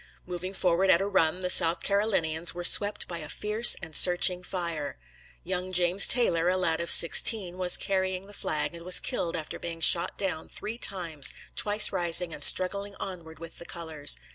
Moving forward at a run, the South Carolinians were swept by a fierce and searching fire. Young James Taylor, a lad of sixteen, was carrying the flag, and was killed after being shot down three times, twice rising and struggling onward with the colors.